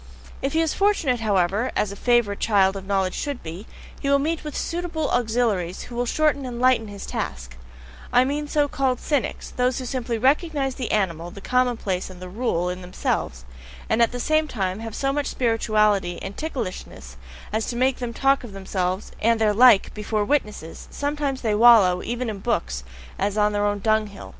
If he is fortunate, however, as a favourite child of knowledge should be, he will meet with suitable auxiliaries who will shorten and lighten his task; I mean so called cynics, those who simply recognize the animal, the commonplace and "the rule" in themselves, and at the same time have so much spirituality and ticklishness as to make them talk of themselves and their like BEFORE WITNESSES sometimes they wallow, even in books, as on their own dung hill.